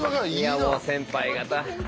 いやもう先輩方。